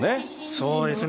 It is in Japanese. そうですね。